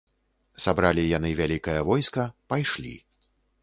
Сабралі яны вялікае войска, пайшлі.